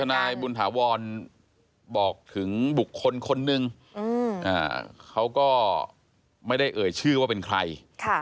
นายบุญถาวรบอกถึงบุคคลคนนึงเขาก็ไม่ได้เอ่ยชื่อว่าเป็นใคร